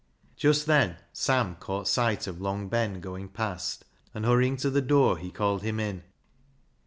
Just then Sam caught sight of Long Ben going past, and hurrying to the door, he called him in.